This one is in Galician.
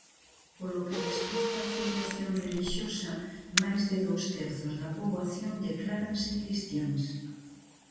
Polo que respecta á filiación relixiosa, máis de dous terzos da poboación decláranse cristiáns.